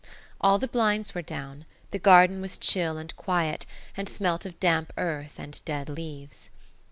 All the blinds were down; the garden was chill and quiet, and smelt of damp earth and dead leaves.